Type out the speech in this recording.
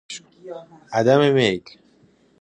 عدم میل